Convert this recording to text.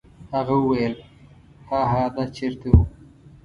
هغه وویل: هاها دا چیرته و؟